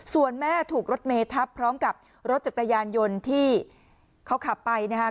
ส่วนแม่ถูกรถเมทับพร้อมกับรถจักรยานยนต์ที่เขาขับไปนะครับ